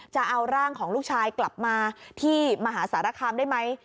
จะเอาร่างของลูกชายกลับมาที่มหาสารคามได้ไหม